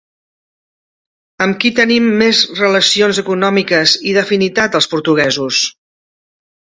Amb qui tenim més relacions econòmiques i d’afinitat els portuguesos?